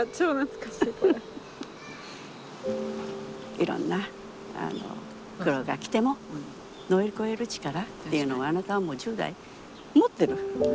いろんな苦労が来ても乗り越える力っていうのがあなたはもう１０代持ってる。